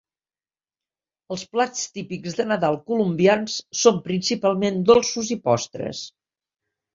Els plats típics de Nadal colombians són principalment dolços i postres.